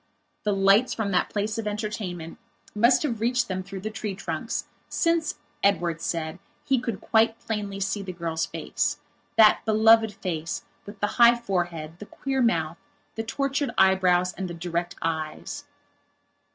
The lights from that place of entertainment must have reached them through the tree trunks, since, Edward said, he could quite plainly see the girl's facethat beloved face with the high forehead, the queer mouth, the tortured eyebrows, and the direct eyes.